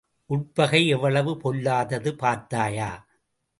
உட்பகை எவ்வளவு பொல்லாதது பார்த்தாயா?